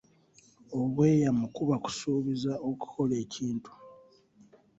Obweyamo kuba kusuubiza okukola ekintu.